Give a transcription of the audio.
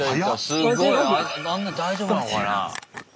すごいあんな大丈夫なのかな？